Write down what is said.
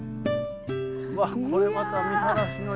わっこれまた見晴らしのいい。